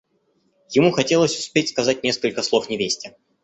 Ему хотелось успеть сказать несколько слов невесте.